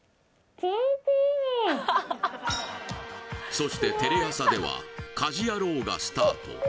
そしてテレ朝では「家事ヤロウ！！！」がスタート